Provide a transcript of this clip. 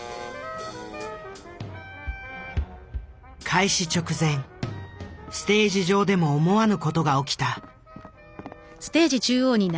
開始直前ステージ上でも思わぬ事が起きた。